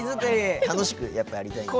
楽しく、やっぱやりたいから。